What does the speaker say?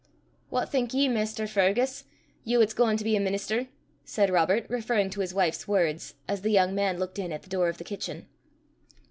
"What think ye, Maister Fergus, you 'at's gauin' to be a minister?" said Robert, referring to his wife's words, as the young man looked in at the door of the kitchen.